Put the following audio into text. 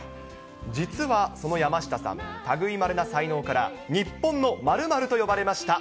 実は、その山下さん、たぐいまれな才能から、日本の○○と呼ばれました。